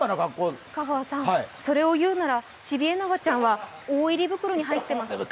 香川さん、それを言うならチビエナガちゃんは大入り袋に入ってます。